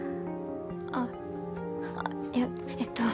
あっいやえっと